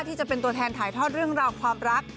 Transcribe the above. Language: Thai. ที่จะเป็นตัวแทนถ่ายทอดเรื่องราวความรัก